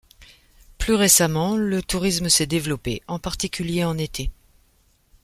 Plus récemment le tourisme s'est développé, en particulier en été.